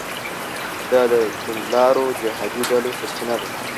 دا د توندلارو جهادي ډلو سرچینه ده.